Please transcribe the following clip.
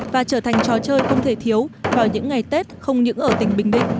và trở thành trò chơi không thể thiếu vào những ngày tết không những ở tỉnh bình định